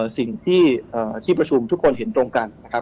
สิ่งที่ที่ประชุมทุกคนเห็นตรงกันนะครับ